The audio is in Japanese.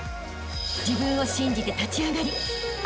［自分を信じて立ち上がりあしたへ